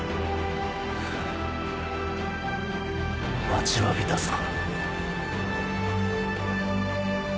待ちわびたぞ。